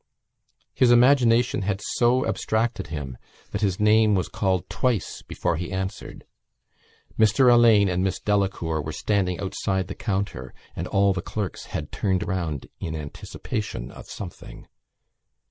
His imagination had so abstracted him that his name was called twice before he answered. Mr Alleyne and Miss Delacour were standing outside the counter and all the clerks had turned round in anticipation of something.